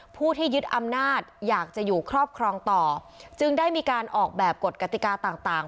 ผู้ที่ยึดอำนาจอยากจะอยู่ครอบครองต่อจึงได้มีการออกแบบกฎกติกาต่างต่าง